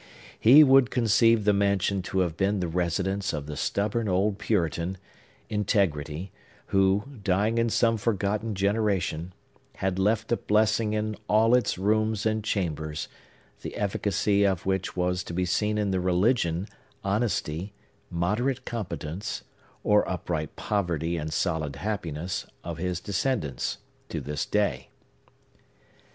He would conceive the mansion to have been the residence of the stubborn old Puritan, Integrity, who, dying in some forgotten generation, had left a blessing in all its rooms and chambers, the efficacy of which was to be seen in the religion, honesty, moderate competence, or upright poverty and solid happiness, of his descendants, to this day.